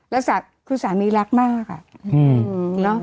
แล้วสักคุณสามีรักมากอ่ะ